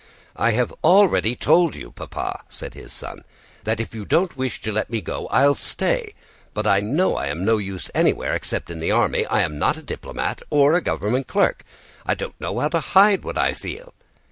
"I have already told you, Papa," said his son, "that if you don't wish to let me go, I'll stay. But I know I am no use anywhere except in the army; I am not a diplomat or a government clerk.—I don't know how to hide what I feel."